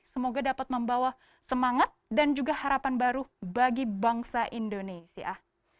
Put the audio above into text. semoga dapat membawa semangat dan juga harapan baru bagi bangsa indonesia